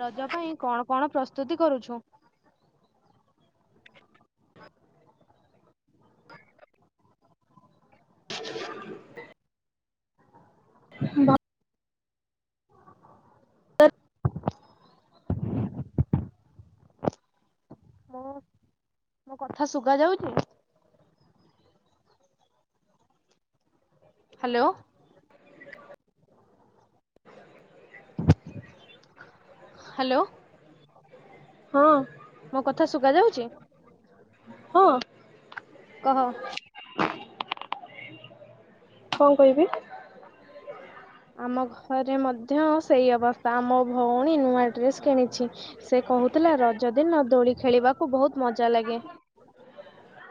ରଜ ପାଇଁ କଣ କଣ ପ୍ରସ୍ତୁତି କରୁଛୁ। [inaudible] ବା [inaudible] ହ [inaudible] ମୁଁ ମୋ କଥା ଶୁଗା ଯାଉଛି। ହ୍ୟାଲୋ। ହ୍ୟାଲୋ। ମୋ କଥା ଶୁଗା ଯାଉଛି। ହଁ କହ। [inaudible] କଣ କହିବି? ଆମ ଘରେ ମଧ୍ୟ ସେଇ ଅବସ୍ଥା ଆମ ଭଉଣୀ ନୂଆ ଡ୍ରେସ କିଣିଛି ସେ କହୁଥିଲା ରଜ ଦିନ ଦୋଳି ଖେଳିବାକୁ ବହୁତ ମଜା ଲାଗେ।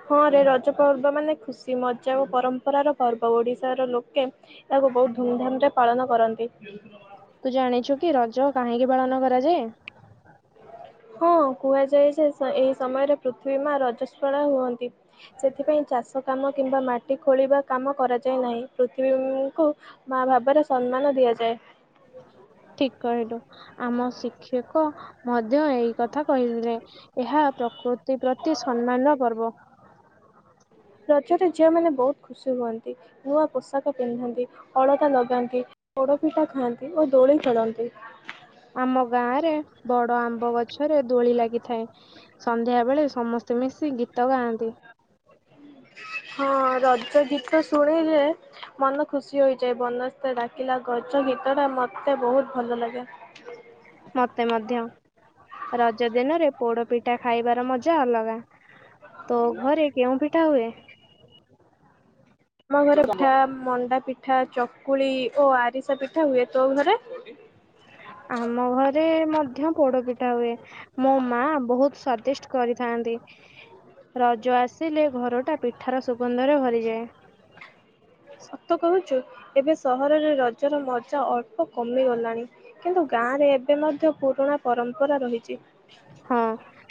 ହଁ ରେ ରଜ ପର୍ବ ମାନେ ଖୁସି ମଜା ଓ ପରମ୍ପରାର ପର୍ବ ଓଡିଶାର ଲୋକ ପାଳନ କରନ୍ତି। ତୁ ଜାଣିଛୁ କି ରଜ କାହିଁକି ପାଳନ କରାଯାଏ? ହଁ କୁହାଯାଏ ଯେ ଏହି ସମୟରେ ପୃଥିବୀ ମା ରଜସ୍ପଳା ହୁଅନ୍ତି ସେଥିପାଇଁ ଚାଷ କାମ କିମ୍ବା ମାଟି ଖୋଳିବା କାମ କରାଯାଏ ନାହିଁ ପୃଥିବୀଙ୍କୁ ମା ଭାବରେ ସମ୍ମାନ ଦିଆଯାଏ। ଠିକ କହିଲୁ ଆମ ଶିକ୍ଷକ ମଧ୍ୟ ଏଇ କଥା କହିଥିଲେ ଏହା ପ୍ରକୃତି ପ୍ରତି ସମ୍ମାନର ପର୍ବ। ହ [inaudible] ରଜରେ ଝିଅମାନେ ବହୁତ ଖୁସି ହୁଅନ୍ତି ନୂଆ ପୋଷାକ ପିନ୍ଧନ୍ତି, ଅଳତା ଲଗାନ୍ତି ଓ ପୋଡ଼ପିଠା ଖାଆନ୍ତି ଓ ଦୋଳି ଖେଳନ୍ତି। ଆମ ଗାଁ ରେ ବଡ଼ ଆମ୍ବ ଗଛରେ ଦୋଳି ଲାଗିଥାଏ ସନ୍ଧ୍ୟା ବେଳେ ସମସ୍ତେ ମିଶି ଗୀତ ଗାଆନ୍ତି। ହଁ ରଜ ଗୀତ ଶୁଣି [unintelligible] ମନ ଖୁସି ହୋଇଯାଏ ବନସ୍ତେ ଡାକିଲା ଗଜ ଗୀତ ଟା ମତେ ବହୁତ୍ ଭଲ ଲାଗେ। ମତେ ମଧ୍ୟ ରଜ ଦିନରେ ପୋଡ଼ ପିଠା ଖାଇବାର ମଜା ଅଲଗା। ତୋ ଘରେ କେଉଁ ପିଠା ହୁଏ? ଆମ ଘରେ ପିଠା ମଣ୍ଡା ପିଠା, ଚକୁଳି ଓ ଆରିସା ପିଠା ହୁଏ। ତୋ ଘରେ? ଆମ ଘରେ ମଧ୍ୟ ପୋଡ଼ପିଠା ହୁଏ। ମୋ ମା ବହୁତ୍ ସ୍ଵାଦିଷ୍ଟ୍ କରିଥାନ୍ତି। ରଜ ଆସିଲେ ଘରଟା ପିଠାର ସୁଗନ୍ଧରେ ଭରିଯାଏ। ସତ କହୁଛୁ ଏବେ ସହରରେ ରଜର ମଜା ଅଳ୍ପ କମିଗଲାଣି କିନ୍ତୁ ଗାଁରେ ଏବେ ମଧ୍ୟ ପୁରୁଣା ପରମ୍ପରା ରହିଛି। ହଁ।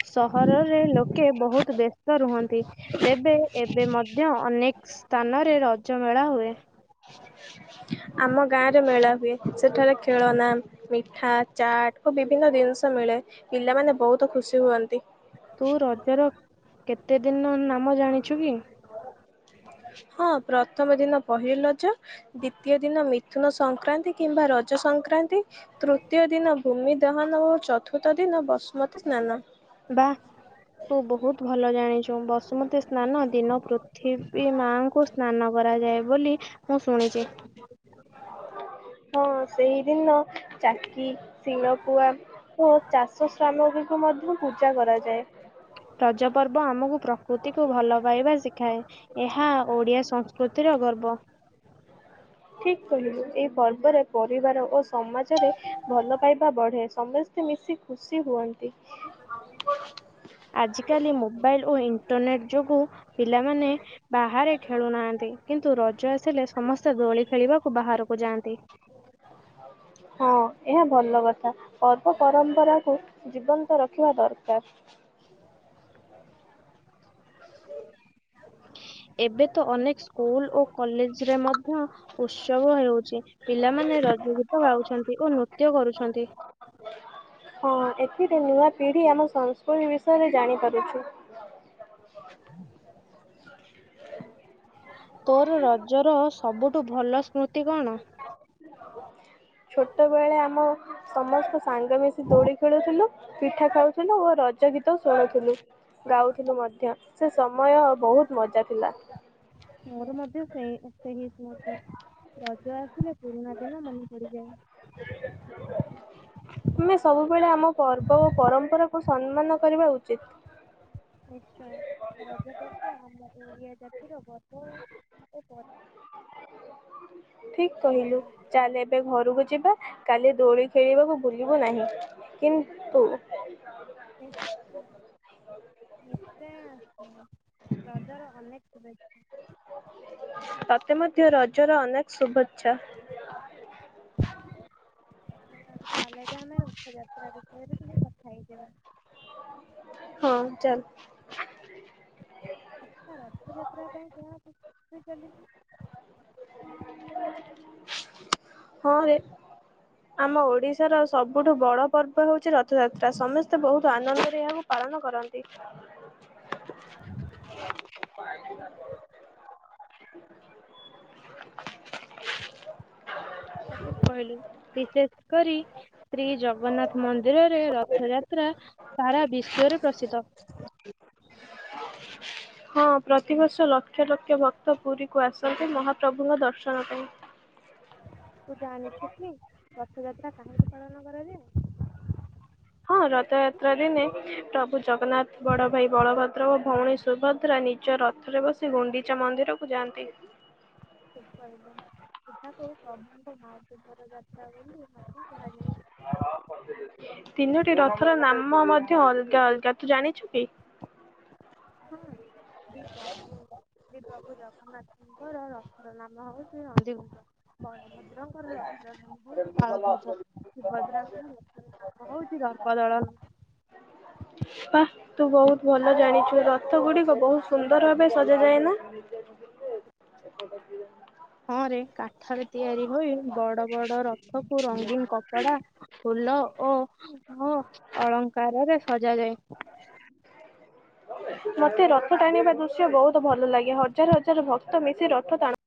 ସହରରେ ଲୋକେ ବହୁତ୍ ବ୍ୟସ୍ତ ରୁହନ୍ତି ତେବେ ଏବେ ମଧ୍ୟ ଅନେକେ ସ୍ଥାନରେ ରଜ ମେଳା ହୁଏ। ଆମ ଗାଁ ରେ ମେଳା ହୁଏ ସେଠାରେ ଖେଳନା, ମିଠା, ଚାଟ ଓ ବିଭିନ୍ନ ଜିନିଷ ମିଳେ ପିଲାମାନେ ବହୁତ ଖୁସି ହୁଅନ୍ତି। ତୁ ରଜର କେତେ ଦିନ ନାମ ଜାଣିଛୁ କି? ହଁ ପ୍ରଥମ ଦିନ ପହିଲି ରଜ ଦ୍ଵିତୀୟ ଦିନ ମି ମିଥୁନ ସଂକ୍ରାନ୍ତି କିମ୍ବା ରଜ ସଂକ୍ରାନ୍ତି ତୃତୀୟ ଦିନ ଭୂମି ଦହନ ଓ ଚତୁର୍ଥ ଦି [unintelligible] ବସୁମତୀ ସ୍ନାନ। ବା ତୁ ବହୁତ୍ ଭଲ ଜାଣିଚୁ। [unintelligible] ବସୁମତୀ ସ୍ନାନ ଦିନ ପୃଥିବୀ ମା ଙ୍କୁ ସ୍ନାନ କରାଯାଏ ବୋଲି ମୁଁ ଶୁଣିଛି। ହଁ ସେଇଦିନ ଚାକି, ଶିଳପୁଆ, ଓ ଚାଷ ସ୍ରାମ [unintelligible] କୁ ମଧ୍ୟ ପୂଜା କରାଯାଏ। ରଜ ପର୍ବ ଆମକୁ ପ୍ର ତିକୁ ଭଲ ପାଇବା ଶିଖାଏ ଏହା ଓଡ଼ିଆ ସଂସ୍କୃତିର ଗର୍ବ। ଠିକ୍ କହିଲୁ ଏହି ପର୍ବରେ ପରିବାର ଓ ସମାଜରେ ଭଲ ପାଇବା ବଢ଼େ ସମସ୍ତେ ମିଶି ଖୁସି ହୁଅନ୍ତି। ଆଜିକାଲି ମୋବାଇଲ ଓ ଇଣ୍ଟରନେଟ୍ ଯୋଗୁ ପିଲାମାନେ ବାହାରେ ଖେଳୁନାହାନ୍ତି କିନ୍ତୁ ରଜ ଆସିଲେ ସମସ୍ତେ ଦୋଳି ଖେଳିବାକୁ ବା ବାହାରକୁ ଯାଆନ୍ତି। ହଁ। ଏହା ଭଲ କଥା ପର୍ବ ପରମ୍ପରାକୁ ଜୀବନ୍ତ ରଖିବା ଦରକାର। ଏବେ ତ ଅନେକ ସ୍କୁଲ୍ ଓ କଲେଜରେ ମଧ୍ୟ ଉତ୍ସବ ହେଉଛି ପିଲାମାନେ ରଜ ଗୀତ ଗାଉଛନ୍ତି ଓ ନୃତ୍ୟ କରୁଛନ୍ତି। ହଁ ଏଥିରେ ନୂଆ ପିଢ଼ି ଆମ ସଂସ୍କୃତି ବିଷୟରେ ଜାଣିପାରୁଛୁ। ତୋର ରଜର ସବୁଠୁ ଭଲ ସ୍ମୃତି କଣ? ଛୋଟବେଳେ ଆମ ସମସ୍ତ ସାଙ୍ଗ ମିଶି ଦୋଳି ଖେଳୁଥିଲୁ ପିଠା ଖାଉଥିଲୁ ଓ ରଜ ନାଚ ଗୀତ ଶୁଣୁଥିଲୁ ଗାଉଥିଲୁ ମଧ୍ୟ ସେ ସମୟ ବହୁତ୍ ମଜା ଥିଲା। [unintelligible] ମତେ ରଜ ଆସିଲେ ପୁରୁଣା ଦିନ ମନେ ପଡ଼ିଯାଏ। ଆମେ ସବୁବେଳେ ଆମ ପର୍ବ ଓ ପରମ୍ପରାକୁ ସମ୍ମାନ କରିବା ଉଚିତ୍। ନିଶ୍ଚୟ ରଜ ପର୍ବ ଆମ ଓଡ଼ିଆ ଜାତିର ଗର୍ବ ଓ [unintelligible] ଠିକ କହିଲୁ ନିଶ୍ଚୟ ଚାଲ ଏବେ ଘରକୁ ଯିବା। କାଲି ଦୋଳି ଖେଳିବାକୁ ଭୁଲିବୁ ନାହିଁ କିନ୍ତୁ [unintelligible] ନିଶ୍ଚୟ ଆସିବୁ ରଜର ଅନେକ ଶୁଭେଚ୍ଛା। ତତେ ମଧ୍ୟ ରଜର ଅନେକ ଶୁଭେଚ୍ଛା। ସାଙ୍ଗ ତାହେଲେ ଏବେ ଆମେ ରଥଯାତ୍ରା ବିଷୟରେ ଟିକେ କ ହଁ ଚାଲ। ଆଚ୍ଛା ରଥଯାତ୍ରା ପାଇଁ କଣ ପ୍ରସ୍ତୁତି ଚାଲିଛି? ହଁରେ। ଆମ ଓଡିଶାର ସବୁଠୁ ବଡ ପର୍ବ ହଉଛି ରଥଯାତ୍ରା ସମସ୍ତେ ବହୁତ ଆନନ୍ଦରେ ଏହାକୁ ପାଳ ନ କରନ୍ତି। [inaudible] [inaudible] ସଠିକ କହିଲୁ ବିଶେଷ କରି ଶ୍ରୀ ଜଗ ଜଗନ୍ନାଥ ମନ୍ଦିରରେ ରଥଯାତ୍ରା ସାରା ବିଶ୍ଵ ରେ ପ୍ରସିଦ୍ଧ। [inaudible] ହଁ ପ୍ରତିବର୍ଷ ଲକ୍ଷ ଲକ୍ଷ ଭକ୍ତ ପୁରୀକୁ ଆସନ୍ତି ମହାପ୍ରଭୁଙ୍କ ଦର୍ଶନ ପାଇଁ। ତୁ ଜାଣିଛୁ କି ରଥଯାତ୍ରା କାହିଁକି ପାଳନ କରା ଯାଏ। ହଁ ରଥଯାତ୍ରା ଦିନେ ପ୍ରଭୁ ଜଗନ୍ନାଥ ବଡ ଭାଇ ବଳଭଦ୍ର ଓ ଭଉଣୀ ସୁଭଦ୍ରା ନିଜ ରଥରେ ବସି ଗୁଣ୍ଡିଚା ମନ୍ଦିରକୁ ଯାଆନ୍ତି। [inaudible] ଠିକ କହିଲୁ ଏଠାକୁ ପ୍ରଭୁଙ୍କ ମାଉ ପବର ଯାତ୍ରା ବୋଲି ମଧ୍ୟ କୁହାଯାଏ। ତିନୋଟି ରଥର ନାମ ମଧ୍ୟ ଅଲଗା ଅଲଗା ତୁ ଜାଣିଛୁ? କି? ହଁ [inaudible] ପ୍ରଭୁ ଜଗନ୍ନାଥ। [unintelligible] ନାମ ହଉଛି ନନ୍ଦିଘୋଷ ବଳଭଦ୍ରଙ୍କର ରଥର ନାମ ହଉଛି ତାଳଧ୍ୱଜ ଶୁଭ ସୁଭଦ୍ରାଙ୍କ ରଥର ନାମ ହଉଛି ଧର୍ପ ଦଳନ। ବାଃ। ତୁ ବହୁତ ଭଲ ଜାଣିଛୁ ରଥ ଗୁଡିକ ବହୁତ ସୁନ୍ଦର ଭାବେ ସଜ ଯାଏ ନା। ହଁ ରେ କାଠରେ ତିଆରି ହୋଇ ବଡ ବଡ ରଥକୁ ରଙ୍ଗୀନ କପଡା ଭଲ ଓ ଓ ଅଳଙ୍କାରରେ ସଜାଯାଏ। ମୋତେ ରଥ ଟାଣିବା ଦୃଶ୍ୟ ବହୁତ ଭଲ ଲାଗେ ହଜାର ହଜାର ଭକ୍ତ ମିଶି ରଥ ଟାଣ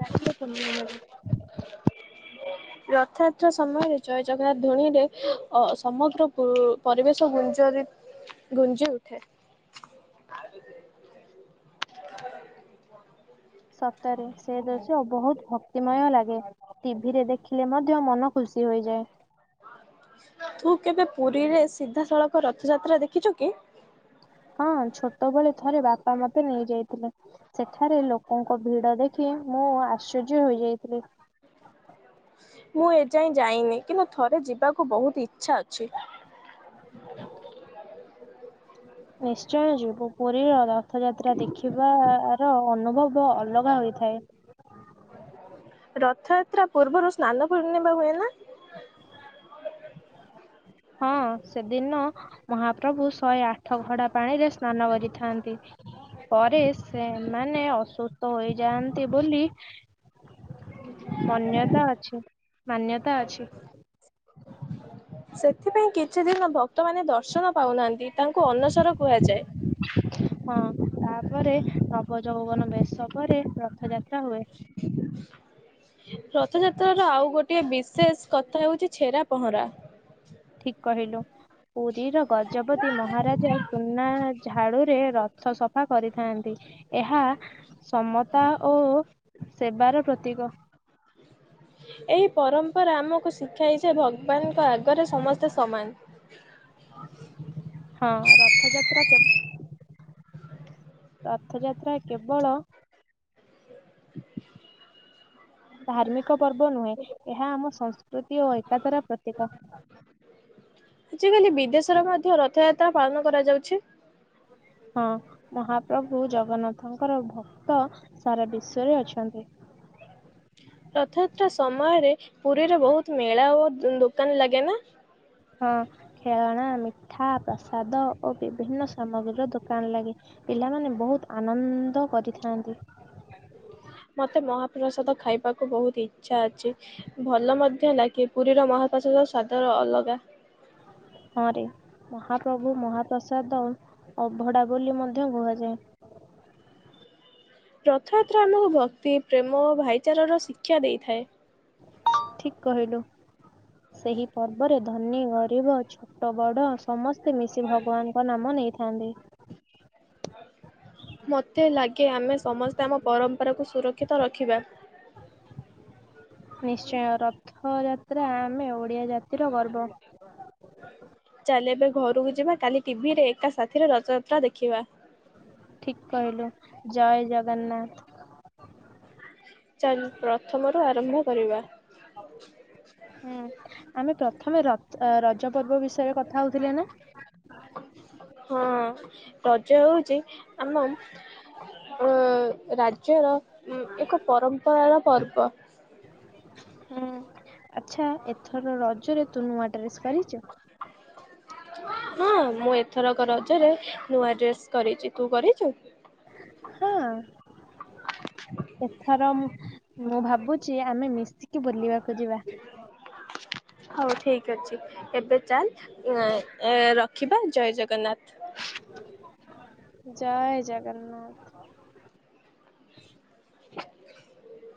ଦେଖିଲେ ପୁଣ୍ୟ ମିଳେ। [inaudible] ରଥଯାତ୍ରା ସମୟରେ ଜୟ ଜଗନ୍ନାଥ ଧୂଣିରେ ଅ ସମଗ୍ର ପରିବେଶ ଗୁଞ୍ଜ ଗୁଞ୍ଜି ଉଠେ। [inaudible] ସପ୍ତରେ ସେ ଦୃଶ୍ୟ ବହୁତ ଭକ୍ତିମୟ ଲାଗେ ଟିଭିରେ ଦେଖିଲେ ମ ମଧ୍ୟ ମନ ଖୁସି ହୋଇଯାଏ। ତୁ କେବେ ପୁରୀରେ ସିଧାସଳଖ ରଥଯାତ୍ରା ଦେଖିଛୁ କି? ହଁ ଛୋଟବେଳେ ଥରେ ବାପା ମତେ ନେଇଯାଇଥିଲେ ସେଠାରେ ଲୋକଙ୍କ ଭିଡ ଦେଖି ମୁଁ ଆଶ୍ଚର୍ଯ୍ୟ ହୋଇଯାଇଥିଲି। ମୁଁ ଏଯାଏଁ ଯାଇନି କିନ୍ତୁ ଥରେ ଯିବାକୁ ବହୁତ ଇ ଇଛା ଅଛି। ନିଶ୍ଚୟ ଯିବୁ ପୁରୀର ରଥଯାତ୍ରା ଦେଖିବାର ଅନୁଭବ ଅଲଗା ହୋଇଥାଏ। ରଥଯାତ୍ରା ପୂର୍ବରୁ ସ୍ନାନ ପୂର୍ଣ୍ଣିମା ହୁଏ ନା? ହଁ ସେଦିନ ମହାପ୍ରଭୁ ଶହେ ଆଠ ଘଡା ପାଣିରେ ସ୍ନାନ କରିଥାନ୍ତି। ପରେ ସେମାନେ ଅସୁସ୍ଥ ହୋଇଯାଆନ୍ତି ବୋଲି ମାନ୍ୟତା ଅଛି, ମାନ୍ୟତା ଅଛି। ସେଥିପାଇଁ କିଛି ଦିନ ଭକ୍ତ ମାନ ଦର୍ଶନ ପାଉନାହାନ୍ତି, ତାଙ୍କୁ ଅନସର କୁହାଯାଏ। ହଁ ତାପରେ ନବ ଜଗଗଣ ବେଶ। ପରେ ରଥଯାତ୍ରା ହୁଏ। ରଥଯାତ୍ର ର ଆଉ ଗୋଟେ ବିଶେଷ କଥା ହଉଚି ଛେରା ପହଁରା। ଠିକ କହିଲୁ, ପୁରୀର ଗଜପତି ମହାରାଜା ସୁନା ଝାଡୁରେ ର ସଫା କରିଥାନ୍ତି, ଏହା ସମତା ଓ ସେବାର ପ୍ରତୀକ। ଏହି ପରମ୍ପରା ଆମକୁ ଶିଖାଇଛି, ଭଗବାନଙ୍କ ଆଗରେ ସମସ୍ତେ ସମାନ। ହଁ ରଥଯାତ୍ରା ରଥଯାତ୍ରା କେବଳ [inaudible] ଧାର୍ମିକ ପର୍ବ ନୁହେଁ, ଏହା ଆମ ସଂସ୍ ଆଜିକାଲି ବିଦେଶରେ ମଧ୍ୟ ରଥଯା ତା ପାଳନ କରାଯାଉଛି। ହଁ ମହାପ୍ରଭୁ ଜଗନ୍ନାଥଙ୍କର ଭକ୍ତ ସାରା ବିଶ୍ଵରେ ଅଛନ୍ତି। [inaudible] ରଥଯାତ୍ରା ସମୟରେ ପୁରୀରେ ବୋହୁତ ମେଳା ଓ ଦୋକାନ ଲାଗେ ନା? ହଁ ଖେଳଣା, ମିଠା, ପ୍ରସାଦ ଓ ବିଭିନ୍ନ ସାମଗ୍ରୀ ର ଦୋକାନ ଲାଗେ। ପିଲାମାନେ ବୋହୁତ ଆନନ୍ଦ କରିଥାନ୍ତି। ମତେ ମହାପ୍ରସାଦ ଖାଇବାକୁ ବହୁତ ଇଚ୍ଛା ଅଛି। ଭଲ ମଧ୍ୟ ଲାଗେ। ପୁରୀର ମହାପ୍ର ସ୍ଵାଦର ଅଲଗା। ହଁରେ। ମହାପ୍ରଭୁ ମହାପ୍ରସାଦ ଅଭଡ଼ା ବୋଲି ମଧ୍ୟ କୁହାଯାଏ। [inaudible] ରଥଯାତ୍ରା ଆମକୁ ଭକ୍ତି, ପ୍ରେମ, ଓ ଭାଇଚାରାର ଶିକ୍ଷା ଦେଇଥାଏ। ଠିକ କହିଲୁ, ସେଇ ପର୍ବରେ ଧନୀ, ଗରିବ, ଛୋଟ, ବଡ ସମସ୍ତେ ମିଶି ଭଗବାନଙ୍କ ନାମ ନେଇଥାନ୍ତି। ମତେ ଲାଗେ କି ଆମେ ସମସ୍ତେ ଆମ ପରମ୍ପରାକୁ ସୁରକ୍ଷିତ ରଖିବା। ନିଶ୍ଚୟ ରଥଯାତ୍ରା ଆମେ ଓ ଓଡ଼ିଆ ଜାତିର ଗର୍ବ। ଚାଲ ଏବେ ଘରକୁ ଯିବା, କାଲି ଟି ଭିରେ ଏକା ସାଥିରେ ରଥଯାତ୍ରା ଦେଖିବା। ଠିକ କହିଲୁ ଜୟ ଜଗନ୍ନାଥ। ଚାଲ୍ ପ୍ରଥମରୁୁ ଆରମ୍ଭ କରିବା। ହୁଁ ଆମେ ପ୍ରଥମେ ର ରଜ ପର୍ବ ବିଷୟରେ ରେ କଥା ହଉଥିଲେ ନା? ହଁ ରଜ ହେଉଚି ଆମ ରାଜ୍ୟର ଉଁ ଏକ ପରମ୍ପରାର ପର୍ବ। ହୁଁ। ଆଚ୍ଛା ଏଥର ରଜରେ ତୁ ନୂଆ ଡ୍ରେସ୍ କରିଛୁ? ହୁଁ ମୁଁ ଏଥର କ ର ରେ ନୂଆ ଡ୍ରେସ୍ କରିଚି, ତୁ କରିଚୁ? ହଁ ଏଥର ମୁଁ ଭାବୁ ଭାବୁଚି ଆମେ ମିଶିକି ବୁଲିବାକୁ ଯିବା। ହଉ ଠିକ୍ ଅଛି, ଏବେ ଚାଲ୍ ରଖିବା, ଜୟ ଜଗନ୍ନାଥ। [inaudible] ଜୟ ଜଗନ୍ନାଥ। [inaudible]